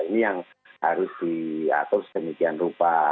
ini yang harus diatur sedemikian rupa